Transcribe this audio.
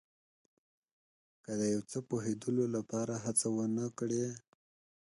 که د یو څه پوهېدلو لپاره هڅه ونه کړئ.